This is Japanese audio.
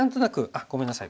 あっごめんなさい。